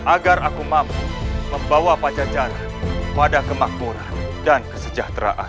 agar aku mampu membawa pajajaran pada kemakmuran dan kesejahteraan